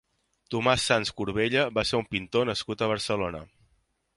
Tomàs Sans Corbella va ser un pintor nascut a Barcelona.